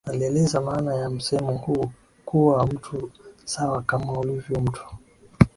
Alielezea maana ya msemo huu kuwa mtu ni sawa kama ulivyo mtu